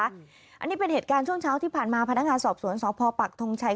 อันนี้เป็นเหตุการณ์ช่วงเช้าที่ผ่านมาพนักงานสอบสวนสพปักทงชัย